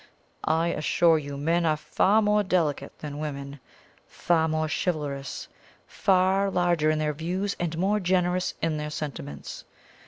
I assure you men are far more delicate than women far more chivalrous far larger in their views, and more generous in their sentiments.